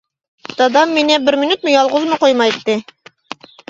دادام مېنى بىر مىنۇتمۇ يالغۇزمۇ قويمايتتى.